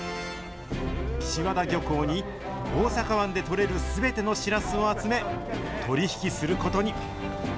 岸和田漁港に、大阪湾で取れるすべてのシラスを集め、取り引きすることに。